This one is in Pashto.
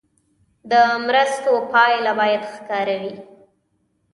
د مرستو پایله باید ښکاره وي.